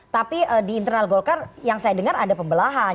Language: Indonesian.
tapi di internal golkar yang saya dengar ada pembelahan